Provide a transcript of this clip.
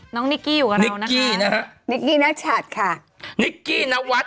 น้องนิกกี้อยู่กับเรานะคะนิกกี้นะฮะนิกกี้นักฉัดค่ะนิกกี้นักชัดค่ะ